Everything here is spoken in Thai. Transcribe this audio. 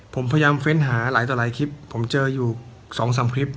ผมพยายามเฟ้นหาหลายต่อหลายคลิปผมเจออยู่๒๓คลิป